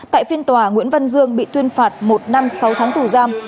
tại phiên tòa nguyễn văn dương bị tuyên phạt một năm sáu tháng tù giam